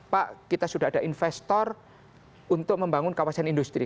pak kita sudah ada investor untuk membangun kawasan industri